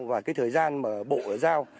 và cái thời gian mà bộ đã giao